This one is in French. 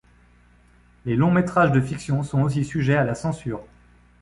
Les longs métrages de fiction sont aussi sujet à la censure.